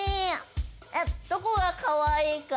えっどこがかわいいか？